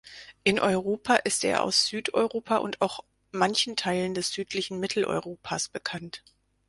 In Europa ist er aus Südeuropa und auch manchen Teilen des südlichen Mitteleuropas bekannt.